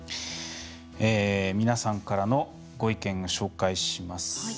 皆さんからのご意見を紹介します。